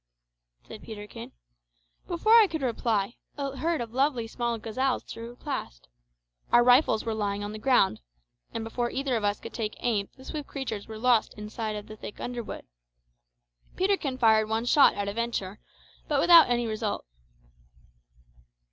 said Peterkin. Before I could reply a herd of lovely small gazelles flew past. Our rifles were lying on the ground, and before either of us could take aim the swift creatures were lost sight of in the thick underwood. Peterkin fired one shot at a venture, but without any result.